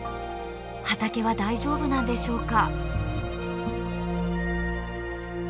畑は大丈夫なんでしょうか。